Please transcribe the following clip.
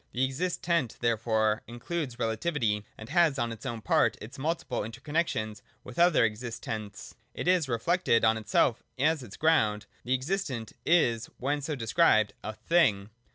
The existent therefore includes relativity, and has on its own part its multiple interconnexions with other existents : it is reflected on itself as its ground. The existent is, when so described, a Thing.